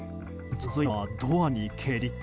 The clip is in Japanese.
続いては、ドアに蹴り。